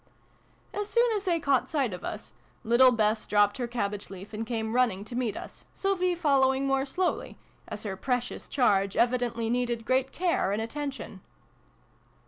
As soon as they caught sight of us, little Bess dropped her cabbage leaf and came running to meet us, Sylvie following more slowly, as her precious charge evidently needed great care and attention.